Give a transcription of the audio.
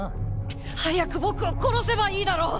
早く僕を殺せばいいだろ！